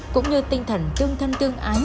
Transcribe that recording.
cũng như tinh thần tương thân tương ánh